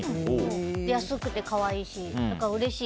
安くて可愛いしだから、うれしい。